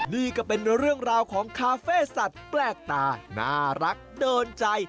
นี่ก็เป็นเรื่องราวของคาเฟ่สัตว์แปลกตาน่ารักโดนใจ